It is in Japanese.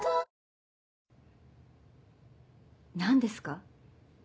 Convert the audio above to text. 何ですか？